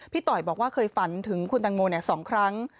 ต่อยบอกว่าเคยฝันถึงคุณตังโม๒ครั้ง